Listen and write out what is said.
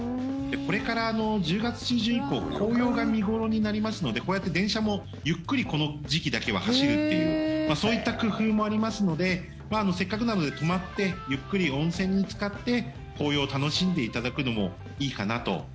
これからの１０月中旬以降紅葉が見頃になりますのでこうやって電車もゆっくりこの時期だけは走るというそういった工夫もありますのでせっかくなので泊まってゆっくり温泉につかって紅葉を楽しんでいただくのもいいかなと。